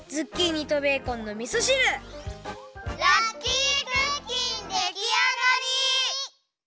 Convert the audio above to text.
だしかおるラッキークッキンできあがり！